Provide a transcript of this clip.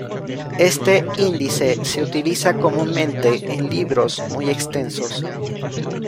Este índice se utiliza comúnmente en libros muy extensos.